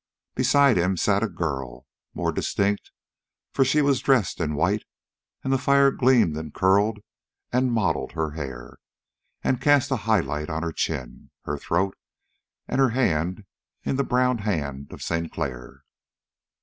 Beside him sat a girl, more distinct, for she was dressed in white, and the fire gleamed and curled and modeled her hair and cast a highlight on her chin, her throat, and her hand in the brown hand of Sinclair.